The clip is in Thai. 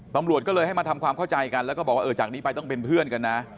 ตำรวจก็เลยให้มาทำความเข้าใจกันแล้วก็บอกว่าเออจากนี้ไปต้องเป็นเพื่อนกันนะ